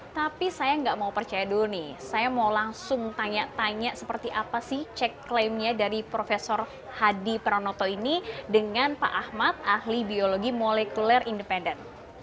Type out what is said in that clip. tapi saya nggak mau percaya dulu nih saya mau langsung tanya tanya seperti apa sih cek klaimnya dari prof hadi pranoto ini dengan pak ahmad ahli biologi molekuler independen